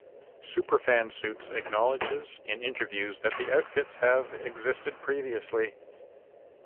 Superfan Suits acknowledges in interviews that the outfits have existed previously.